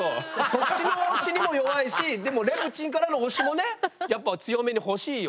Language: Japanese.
そっちの押しにも弱いしでもレプチンからの押しもねやっぱ強めに欲しいよ。